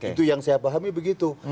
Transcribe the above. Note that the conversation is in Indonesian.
itu yang saya pahami begitu